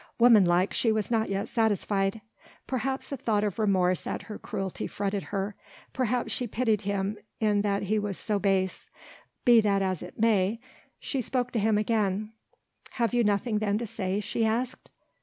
Woman like she was not yet satisfied: perhaps a thought of remorse at her cruelty fretted her, perhaps she pitied him in that he was so base. Be that as it may, she spoke to him again: "Have you nothing then to say?" she asked.